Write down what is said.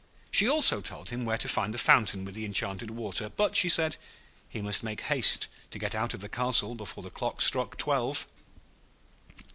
She also told him where to find the fountain with the enchanted water; but, she said, he must make haste to get out of the castle before the clock struck twelve.